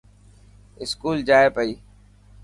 اسڪول جائي پئي.